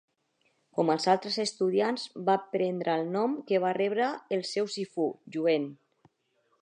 Com els altres estudiants, va prendre el nom que va rebre el seu sifu: "Yuen".